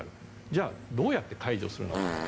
じゃあどうやって解除するのかと。